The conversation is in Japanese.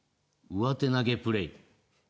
上手投げプレイ。